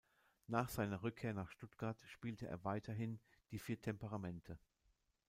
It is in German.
Nach seiner Rückkehr nach Stuttgart spielte er weiterhin die "Vier Temperamente".